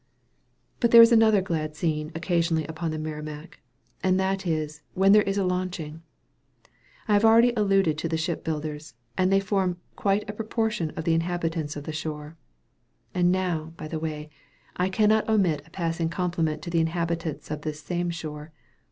But there is another glad scene occasionally upon the Merrimac and that is, when there is a launching. I have already alluded to the ship builders, and they form quite a proportion of the inhabitants of the shore. And now, by the way, I cannot omit a passing compliment to the inhabitants of this same shore.